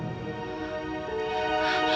biar udah baru nasty